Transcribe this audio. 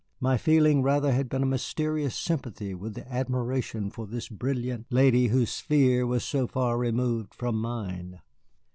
My feeling rather had been a mysterious sympathy with and admiration for this brilliant lady whose sphere was so far removed from mine.